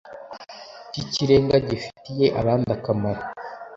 cy'ikirenga gifitiye abandi akamaro